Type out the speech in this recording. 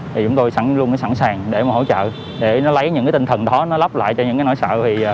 chúng tôi luôn sẵn sàng để hỗ trợ để lấy những tinh thần đó lắp lại cho những nỗi sợ